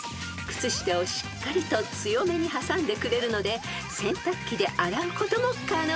［靴下をしっかりと強めに挟んでくれるので洗濯機で洗うことも可能］